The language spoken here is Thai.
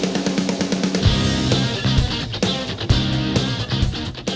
อันนี้ปลาอินซียักษ์นะครับ